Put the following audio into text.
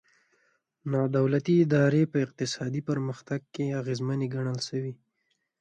نا دولتي ادارې په اقتصادي پرمختګ کې اغېزمنې ګڼل شوي.